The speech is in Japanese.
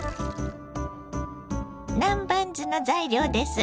南蛮酢の材料です。